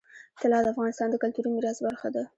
طلا د افغانستان د کلتوري میراث برخه ده.